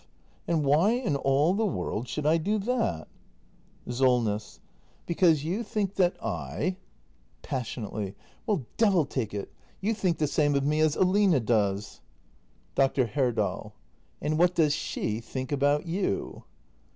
And why in all the world should I do that ? Solness. Because you think that I . [Passionately.] Well, devil take it — you think the same of me as Aline does. 280 THE MASTER BUILDER [act i Dr. Herdal. And what does she think about you